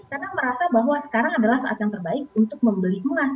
karena merasa bahwa sekarang adalah saat yang terbaik untuk membeli emas